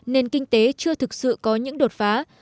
nền kinh tế chưa thực sự có những đột phá